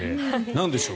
なんでしょう。